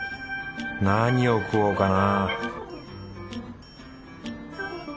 何を食おうかな